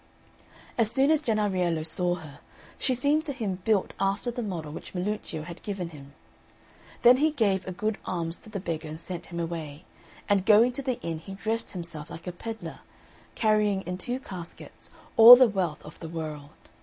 As soon as Jennariello saw her, she seemed to him built after the model which Milluccio had given him; then he gave a good alms to the beggar and sent him away, and going to the inn he dressed himself like a pedlar, carrying in two caskets all the wealth of the world.